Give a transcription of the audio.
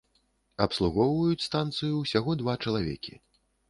Абслугоўваюць станцыю ўсяго два чалавекі.